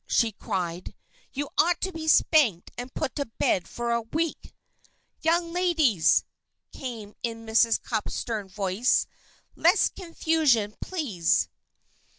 she cried. "You ought to be spanked and put to bed for a week!" "Young ladies!" came in Mrs. Cupp's stern voice, "less confusion, please!"